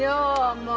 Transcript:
もう。